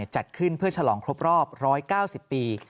จัดขึ้นเพื่อฉลองครบรอบ๑๙๐ปี